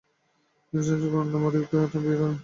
তিনি জাৎস্বুর্গে আন্না মারিয়াকে বিয়ে করেন।